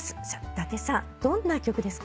伊達さんどんな曲ですか？